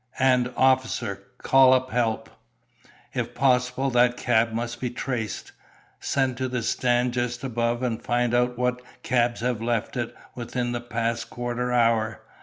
"And, officer, call up help. If possible, that cab must be traced. Send to the stand just above and find out what cabs have left it within the past quarter hour.